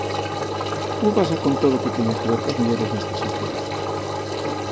Como pasa con todo o que teña que ver coas mulleres nesta sociedade.